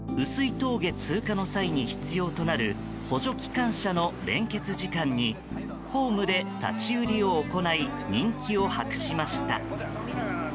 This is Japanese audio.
峠通過の際に必要となる補助機関車の連結時間にホームで立ち売りを行い人気を博しました。